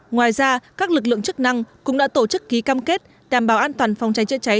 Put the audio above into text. ngoài ra các lực lượng chức năng cũng đã tổ chức ký cam kết đảm bảo an toàn phòng cháy chữa cháy